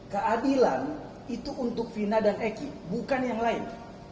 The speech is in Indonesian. keadilan itu untuk vina dan eki bukan yang lain